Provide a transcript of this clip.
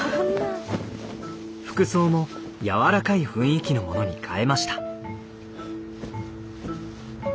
服装も柔らかい雰囲気のものに変えました。